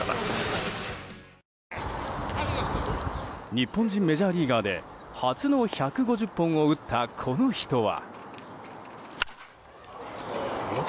日本人メジャーリーガーで初の１５０本を打ったこの人は。